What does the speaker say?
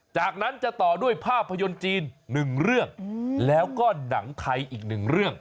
จากนั้นจะต่อด้วยภาพยนตร์จีน๑เรื่องแล้วก็หนังไทยอีกหนึ่งเรื่อง